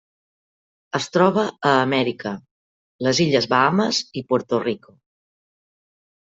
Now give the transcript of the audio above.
Es troba a Amèrica: les illes Bahames i Puerto Rico.